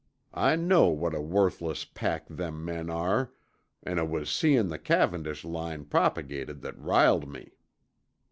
I know what a worthless pack them men are, an' it was seein' the Cavendish line propagated that riled me."